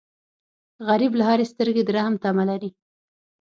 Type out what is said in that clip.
غریب له هرې سترګې د رحم تمه لري